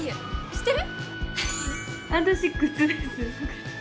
知ってる？